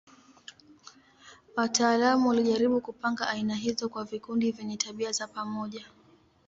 Wataalamu walijaribu kupanga aina hizo kwa vikundi vyenye tabia za pamoja.